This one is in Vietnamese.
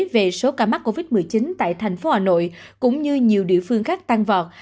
về số ca mắc covid một mươi chín tại thành phố hà nội cũng như nhiều địa phương khác tăng vọt